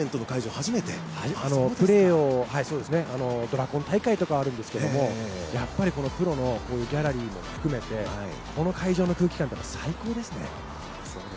プレーをドラコン大会とかはあるんですけどプロのギャラリーも含めて、この会場の空気感というのは最高ですね。